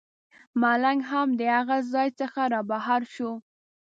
ملنګ هم د هغه ځای څخه رابهر شو.